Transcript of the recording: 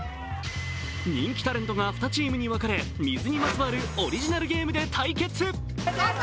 人気タレントが２チームに分かれ水にまつわるオリジナルゲームで対決。